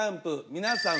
皆さん